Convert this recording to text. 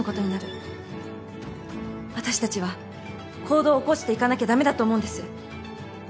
私たちは行動を起こしていかなきゃ駄目だと思うんです。